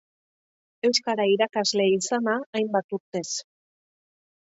Euskara irakasle izana hainbat urtez.